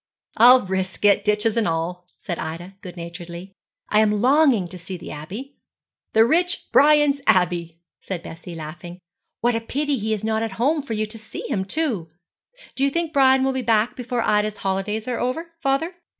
'I'll risk it, ditches and all,' said Ida, good naturedly. 'I am longing to see the Abbey.' 'The rich Brian's Abbey,' said Bessie, laughing. 'What a pity he is not at home for you to see him too! Do you think Brian will be back before Ida's holidays are over, father?'